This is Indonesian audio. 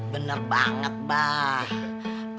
bener banget pak